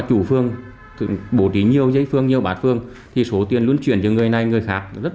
chủ phường bổ trí nhiều giấy phương nhiều bát phương thì số tiền lưu chuyển cho người này người khác rất